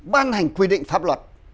ban hành quy định pháp luật